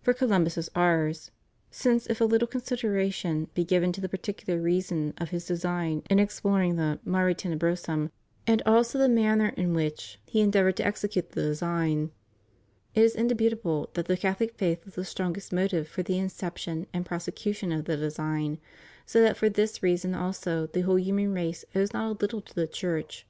For Columbus is ours; since if a little considera I tion be given to the particular reason of his design in ex ploring the mare tenebrosum, and also the manner in which he endeavored to execute the design, it is indubitable that the Catholic faith was the strongest motive for the inception and prosecution of the design; so that for this reason also the whole human race owes not a little to the Church.